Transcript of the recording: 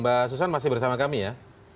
mbak susan masih bersama kami ya